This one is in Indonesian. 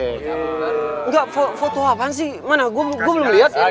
engga foto apaan sih mana gue belum liat